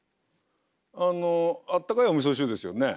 あのあったかいおみそ汁ですよね？